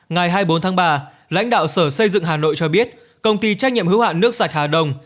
ngày hai mươi bốn tháng ba lãnh đạo sở xây dựng hà nội cho biết công ty trách nhiệm hữu hạn nước sạch hà đông